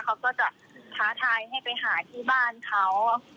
เขาก็จะพ้้าที่บ้านเขา